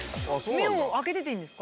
目を開けてていいんですか？